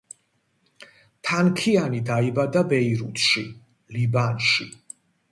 თანქიანი დაიბადა ბეირუთში, ლიბანში.